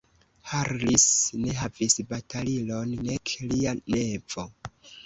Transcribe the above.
Harris ne havis batalilon, nek lia nevo.